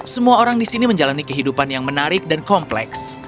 semua orang disini menjalani kehidupan yang menarik dan kompleks